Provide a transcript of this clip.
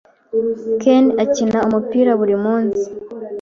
Ken akina umupira buri munsi.